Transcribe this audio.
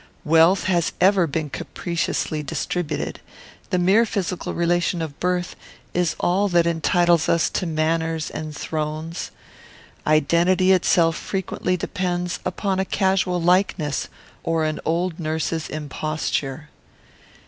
Wealth has ever been capriciously distributed. The mere physical relation of birth is all that entitles us to manors and thrones. Identity itself frequently depends upon a casual likeness or an old nurse's imposture.